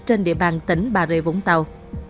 trên địa bàn tỉnh bà rệ vũng tàu